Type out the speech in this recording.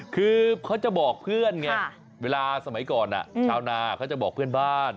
คือเขาจะบอกเพื่อนไงเวลาสมัยก่อนชาวนาเขาจะบอกเพื่อนบ้าน